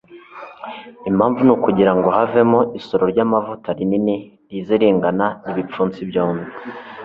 Impamvu ni ukugirango havemo isoro ry’amavuta rinini, rize ringana n’ibipfunsi byombi,